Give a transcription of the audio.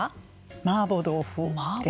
マーボー豆腐です。